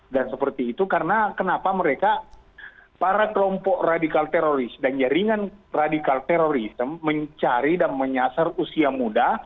dan seperti itu karena kenapa mereka para kelompok radikal teroris dan jaringan radikal teroris mencari dan menyasar usia muda